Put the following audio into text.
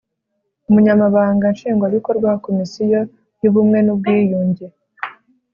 Umunyamabanga Nshingwabikorwa wa Komisiyo y’ubumwe n’ubwiyunge